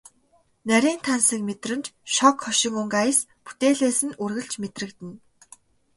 Нарийн тансаг мэдрэмж, шог хошин өнгө аяс бүтээлээс нь үргэлж мэдрэгдэнэ.